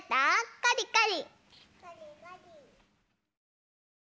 カリカリ。